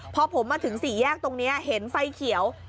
พอผมมาถึงสี่แยกตรงนี้เห็นไฟเขียว